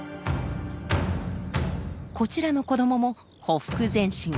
こちらの子どもも「ほふく前進」。